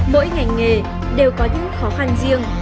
mỗi ngành nghề đều có những khó khăn riêng